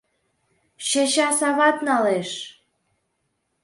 — Чечас ават налеш...